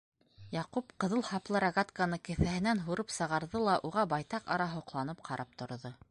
Яҡуп ҡыҙыл һаплы рогатканы кеҫәһенән һурып сығарҙы ла уға байтаҡ ара һоҡланып ҡарап торҙо.